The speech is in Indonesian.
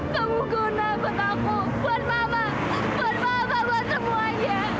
kamu guna buat aku buat mama buat mama buat semuanya